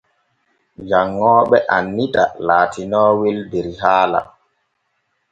Janŋooɓe annita laatinoowel der haala.